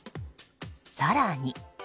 更に。